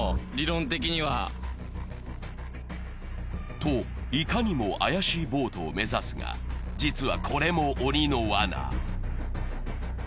と、いかにも怪しいボートを目指すが実はこれも鬼のわな。